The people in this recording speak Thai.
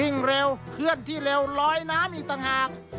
่งเร็วเคลื่อนที่เร็วลอยน้ำอีกต่างหาก